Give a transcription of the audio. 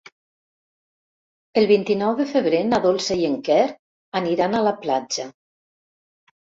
El vint-i-nou de febrer na Dolça i en Quer aniran a la platja.